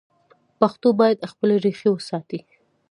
پښتو باید خپلې ریښې وساتي.